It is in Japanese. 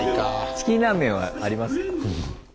チキンラーメンはありますか？